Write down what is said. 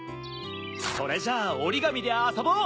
それじゃあおりがみであそぼう！